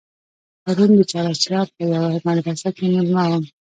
پرون د چهار آسیاب په یوه مدرسه کې مېلمه وم.